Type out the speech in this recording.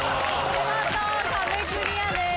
見事壁クリアです。